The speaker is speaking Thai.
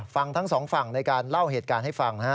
ฟังทั้งสองฝั่งในการเล่าเหตุการณ์ให้ฟัง